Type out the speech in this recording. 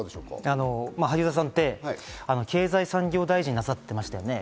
萩生田さんって経済産業大臣をなさってましたね。